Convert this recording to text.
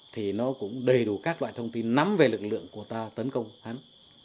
thì nó cũng đầy đủ các loại thông tin nắm về lực lượng của ta tấn công hắn